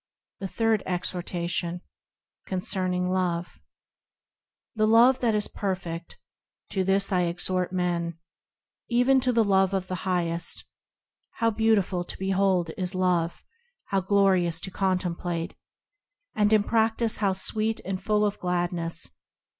The Third Exhortation, concerning Love THE Love that is perfect, To this I exhort men ; Even to the Love of the Highest. How beautiful to behold is Love! How glorious to contemplate ! And in practice how sweet and full of gladness!